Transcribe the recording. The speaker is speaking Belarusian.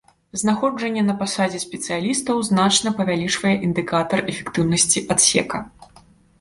Знаходжанне на пасадзе спецыялістаў значна павялічвае індыкатар эфектыўнасці адсека.